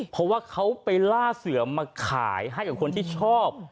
เพราะว่าเขาไปล่าเสือมาขายให้กับคนที่ชอบ